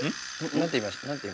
何て言いました？